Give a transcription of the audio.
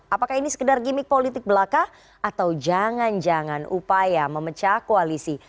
apakah ini sekedar gimmick politik belaka atau jangan jangan upaya memecah koalisi